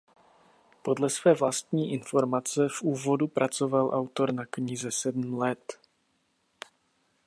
Podle své vlastní informace v úvodu pracoval autor na knize sedm let.